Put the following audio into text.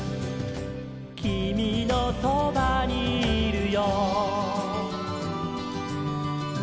「きみのそばにいるよ」